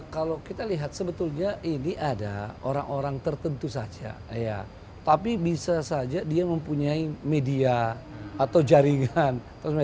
kalau kita lihat sebetulnya ini ada orang orang tertentu saja tapi bisa saja dia mempunyai media atau jaringan